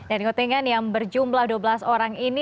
dan kontingen yang berjumlah dua belas orang ini